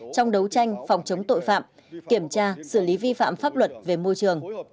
trong đấu tranh phòng chống tội phạm kiểm tra xử lý vi phạm pháp luật về môi trường